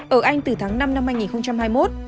ở anh từ tháng năm năm hai nghìn hai